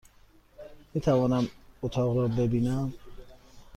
میتوانم اتاق را ببینم؟